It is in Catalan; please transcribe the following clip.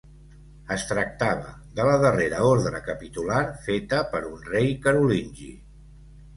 Es tractava de la darrera ordre capitular feta per un rei carolingi.